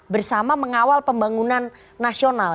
bersama mengawal pembangunan nasional